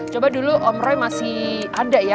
coba dulu om roy masih ada ya